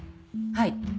はい。